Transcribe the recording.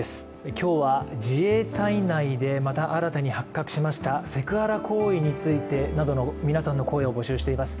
今日は自衛隊内でまた新たに発覚しましたセクハラ行為などについて皆さんの声を募集しています。